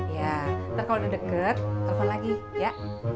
ya ntar kalo udah deket telfon lagi ya